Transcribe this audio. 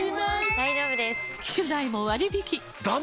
大丈夫です！